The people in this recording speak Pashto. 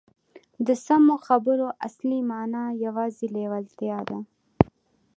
د سمو خبرو اصلي مانا یوازې لېوالتیا ده